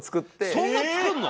そんな作るの！？